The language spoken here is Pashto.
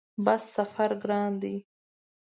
بس سفر ګران دی؟